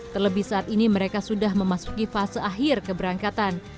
terlebih saat ini mereka sudah memasuki fase akhir keberangkatan